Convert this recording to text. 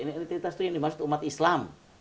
identitas itu yang dimaksud umat islam